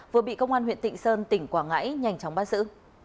vừa bị công an huyện tịnh sơn tỉnh quảng ngãi nhanh chóng bắt giữ